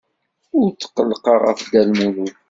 Ur tqellqeɣ ɣef Dda Lmulud.